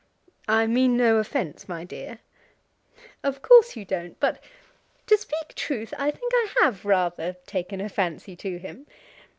"I mean no offence, my dear." "Of course you don't But, to speak truth, I think I have rather taken a fancy to him.